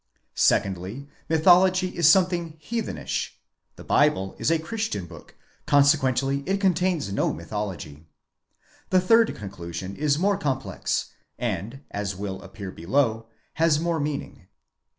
2ndly, Mythology is something heathen ish ; the Bible is a christian book ; consequently it contains no mythology. The third conclusion is more complex, and, as will appear below, has more meaning.